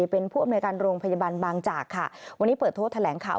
เป็นผู้อำนวยการโรงพยาบาลบางจากค่ะวันนี้เปิดโทษแถลงข่าว